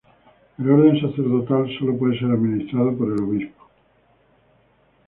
El orden sacerdotal sólo puede ser administrado por el obispo.